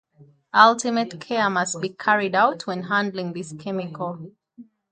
Ultimate care must be carried out when handling this chemical.